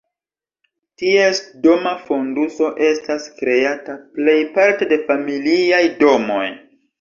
Ties doma fonduso estas kreata plejparte de familiaj domoj.